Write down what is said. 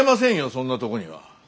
そんなとこには。